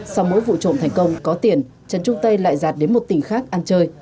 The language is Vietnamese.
sau mỗi vụ trộn thành công có tiền trần trung tây lại dạt đến một tỉnh khác ăn chơi